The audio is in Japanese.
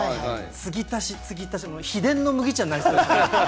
継ぎ足し継ぎ足し、秘伝の麦茶になりそうですね。